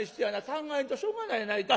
考えんとしょうがないやないか。